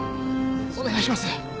お願いします。